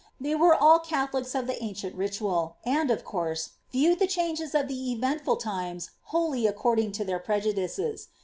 They were all Catholics of the ritual, and, of course, viewed the changes of the eventful times according to their prejudices.